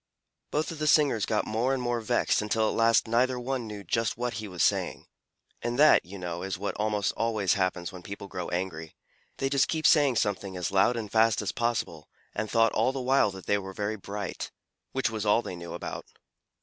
Both of the singers got more and more vexed until at last neither one knew just what he was saying and that, you know, is what almost always happens when people grow angry. They just kept saying something as loud and fast as possible and thought all the while that they were very bright which was all they knew about it.